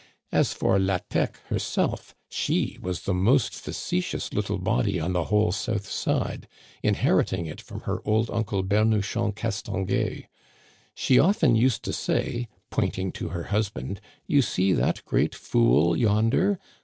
As for La Thèque herself, she was the most facetious little body on the whole south side, inheriting it from her old Uncle Ber nuchon Castonguay. She often used to say, pointing to her husband, * You see that great fool yonder